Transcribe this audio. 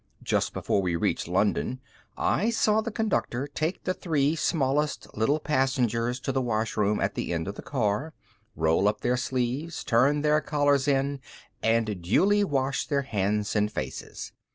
Just before we reached London, I saw the Conductor take the three smallest little passengers to the washroom at the end of the car, roll up their sleeves, turn their collars in, and duly wash their hands and faces.